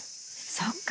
そっか。